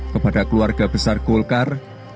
kepada keluarga besar golkar